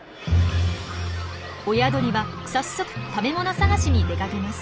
親鳥は早速食べ物探しに出かけます。